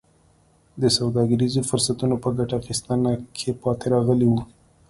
د سوداګریزو فرصتونو په ګټه اخیستنه کې پاتې راغلي وو.